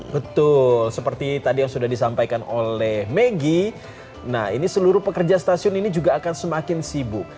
betul seperti tadi yang sudah disampaikan oleh maggie nah ini seluruh pekerja stasiun ini juga akan semakin sibuk